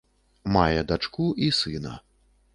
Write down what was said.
Мае дачку і сына.